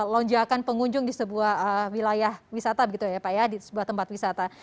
lonjakan pengunjung di sebuah wilayah wisata begitu ya pak ya di sebuah tempat wisata